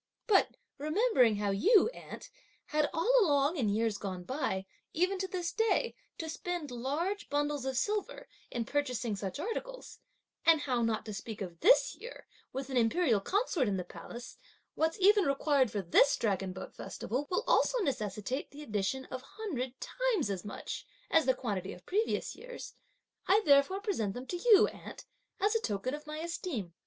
But remembering how you, aunt, had all along in years gone by, even to this day, to spend large bundles of silver, in purchasing such articles, and how, not to speak of this year with an imperial consort in the Palace, what's even required for this dragon boat festival, will also necessitate the addition of hundred times as much as the quantity of previous years, I therefore present them to you, aunt, as a token of my esteem!"